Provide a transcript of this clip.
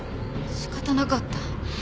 仕方なかった。